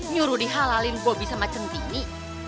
nyuruh dihalalin bobby sama centini